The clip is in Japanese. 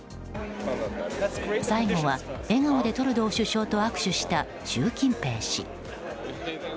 最後は、笑顔でトルドー首相と握手した習近平氏。